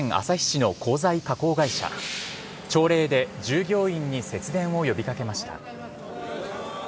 朝礼で従業員に節電を呼びかけました。